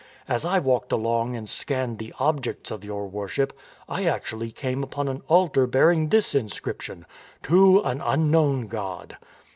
As I walked along and scanned the objects of your worship, I actually came upon an altar bear ing this inscription: TO AN UNKNOWN GOD.